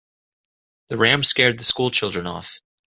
The ram scared the school children off.